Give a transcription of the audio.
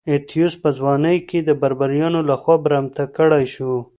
اتیوس په ځوانۍ کې د بربریانو لخوا برمته کړای شو.